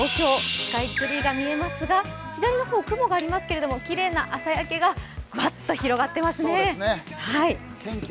スカイツリーが見えますが左の方、雲がありますけれども、きれいな朝焼けがぐわっと広がっていますね。